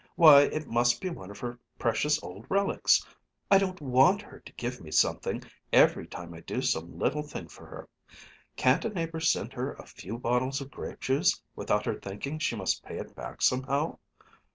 Why, it must be one of her precious old relics. I don't want her to give me something every time I do some little thing for her. Can't a neighbor send her in a few bottles of grape juice without her thinking she must pay it back somehow?